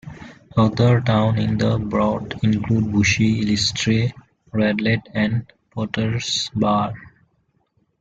Other towns in the borough include Bushey, Elstree, Radlett and Potters Bar.